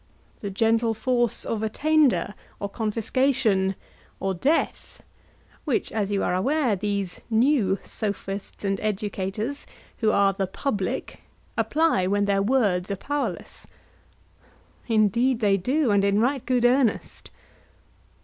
The gentle force of attainder or confiscation or death, which, as you are aware, these new Sophists and educators, who are the public, apply when their words are powerless. Indeed they do; and in right good earnest.